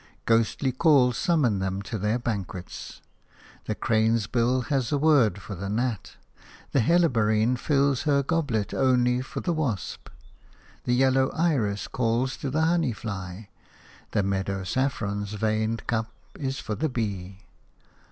Ghostly calls summon them to their banquets. The crane's bill has a word for the gnat; the helleborine fills her goblet only for the wasp; the yellow iris calls to the honey fly; the meadow saffron's veined cup is for the bee.